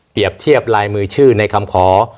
เปรียบเทียบลายมือชื่อในคำขอ